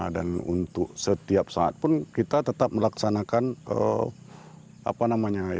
dan untuk setiap saat pun kita tetap melaksanakan